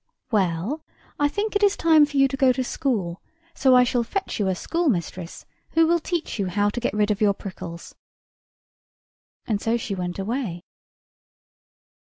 "Well, I think it is time for you to go to school; so I shall fetch you a schoolmistress, who will teach you how to get rid of your prickles." And so she went away.